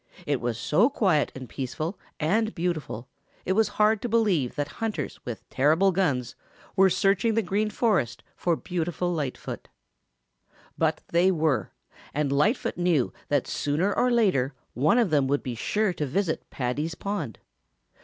It was so quiet and peaceful and beautiful it was hard to believe that hunters with terrible guns were searching the Green Forest for beautiful Lightfoot. But they were, and Lightfoot knew that sooner or later one of them would be sure to visit Paddy's pond.